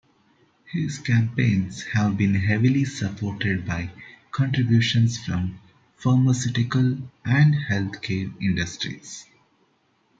His campaigns have been heavily supported by contributions from pharmaceutical and health care industries.